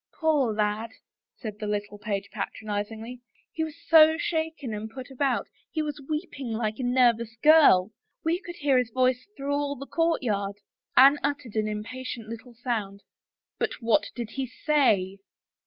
Poor lad," said the little page patronizingly, '' he was so shaken i8 A BROKEN BETROTHAL and put about he was weeping like a nervous girl. Wc could hear his voice through all the courtyard." Anne uttered an impatient little sound. " But what did he say